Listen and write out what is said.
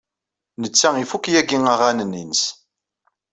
Netta ifuk yagi aɣanen-nnes.